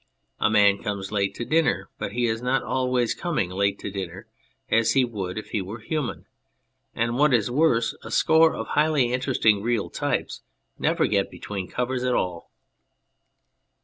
A man comes late to dinner, but he is not always coming late to dinner as he would if he were human : and, what is worse, a score of highly interesting real types never get between covers at all.